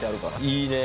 いいね。